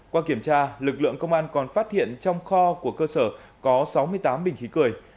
qua kiểm tra lực lượng công an còn phát hiện trong kho của cơ sở có sáu mươi tám bình khí cười